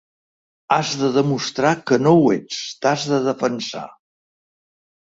Has de demostrar que no ho ets, t’has de defensar.